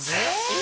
え！